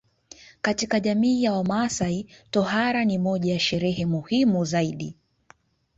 Katika jamii ya wamaasai tohara ni moja ya sherehe muhimu zaidi